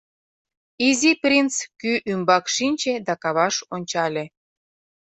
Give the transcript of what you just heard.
Изи принц кӱ ӱмбак шинче да каваш ончале.